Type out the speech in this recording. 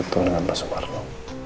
betul dengan pak sumarno